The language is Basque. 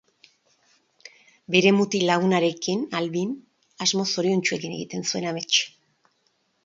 Bere mutil-lagunarekin Albin, asmo zoriontsuekin egiten zuen amets.